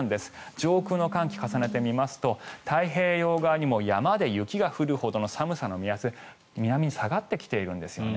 上空の寒気を重ねてみますと太平洋側にも山で雪が降るほどの寒さの目安南に下がってきてるんですよね。